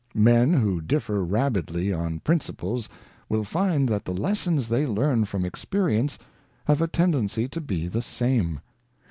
Men who differ rabidly on principles will find that the lessons they learn from experience have a tendency to be the same.